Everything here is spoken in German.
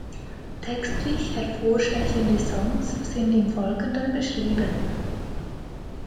Textlich hervorstechende Songs sind im Folgenden beschrieben.